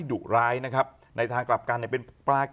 คุยอะไรอยากจะบอก